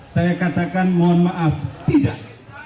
saya katakan mohon maaf tidak